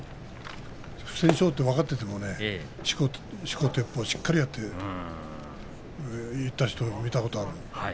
不戦勝と分かっていてもねしこ、てっぽうをしっかりやっていった人を見たことがある。